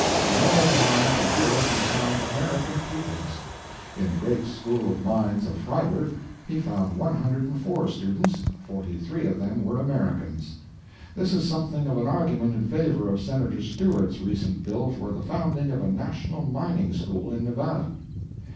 In all the mines of Europe he found American pupils. In the great school of mines of Frieberg he found one hundred and four students, and forty three of them were Americans! This is something of an argument in favor of Senator Stewart's recent bill for the founding of a national mining school in Nevada.